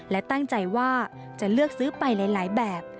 และตั้งใจว่าจะเลือกซื้อไปหลายแบบ